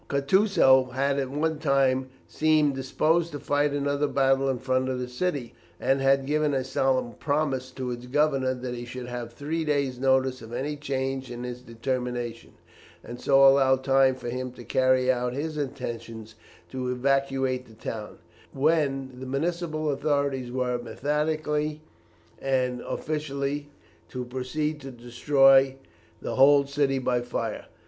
Kutusow had at one time seemed disposed to fight another battle in front of the city, and had given a solemn promise to its governor that he should have three days' notice of any change in his determination, and so allow time for him to carry out his intention to evacuate the town, when the municipal authorities were, methodically and officially, to proceed to destroy the whole city by fire.